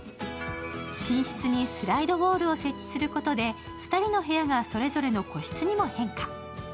寝室にスライドウォールを設置することで２人の部屋がそれぞれの個室にも変化。